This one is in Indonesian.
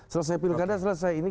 selesai pilkada selesai ini